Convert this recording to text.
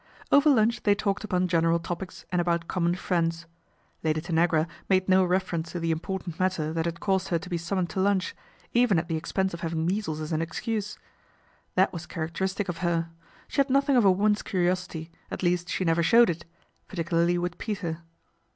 Over lunch they talked upon general topics and about common friends. Lady Tanagra made no reference to the important matter that had caused her to be summoned to lunch, even at the expense of having measles as an excuse. That was char acteristic of her. She had nothing of a woman's curiosity, at least she never showed it, particu larly with Peter.